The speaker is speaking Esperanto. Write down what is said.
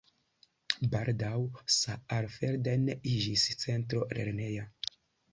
Baldaŭ Saalfelden iĝis centro lerneja.